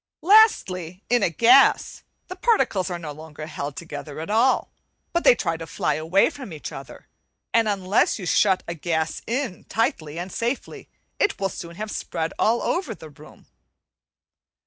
Lastly, in a gas the particles are no longer held together at all, but they try to fly away from each other; and unless you shut a gas in tightly and safely, it will soon have spread all over the room.